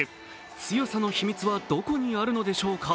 強さの秘密はどこにあるのでしょうか。